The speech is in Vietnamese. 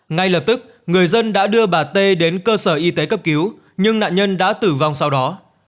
ngay lập tức người dân đã đưa bà t đến cơ sở y tế cấp cứu nhưng nạn nhân đã tử vong sau đó